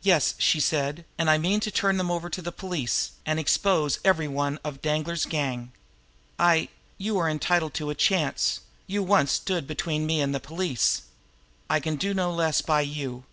"Yes," she said. "And I mean to turn them over to the police, and expose every one of Danglar's gang. I you are entitled to a chance; you once stood between me and the police. I can do no less by you.